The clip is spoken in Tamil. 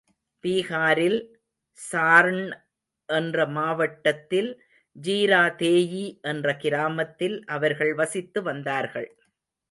பீகாரில், சார்ண் என்ற மாவட்டத்தில் ஜீராதேயி என்ற கிராமத்தில் அவர்கள் வசித்து வந்தார்கள்.